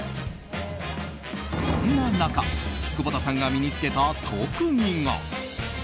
そんな中、久保田さんが身に着けた特技が。